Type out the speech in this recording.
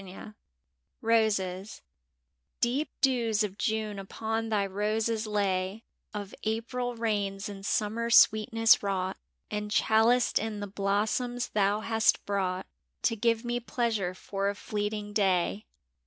IRoses EEP dews of June upon thy roses lay, Of April rains and Summer sweetness wrought, And chaliced in the blossoms thou hast brought To give me pleasure for a fleeting day.